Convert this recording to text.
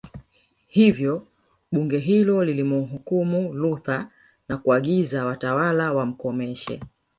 Hivyo Bunge hilo lilimhukumu Luther na kuagiza watawala wamkomeshe